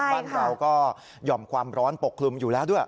บ้านเราก็หย่อมความร้อนปกคลุมอยู่แล้วด้วย